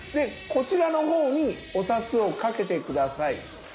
こちらの方にお札をかけて下さい。